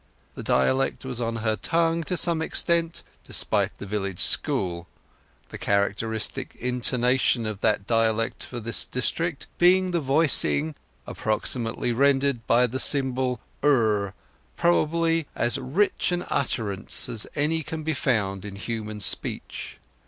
The dialect was on her tongue to some extent, despite the village school: the characteristic intonation of that dialect for this district being the voicing approximately rendered by the syllable UR, probably as rich an utterance as any to be found in human speech.